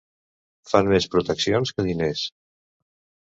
Fan més proteccions que diners.